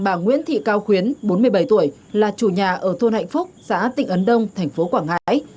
bà nguyễn thị cao khuyến bốn mươi bảy tuổi là chủ nhà ở thôn hạnh phúc xã tịnh ấn đông thành phố quảng ngãi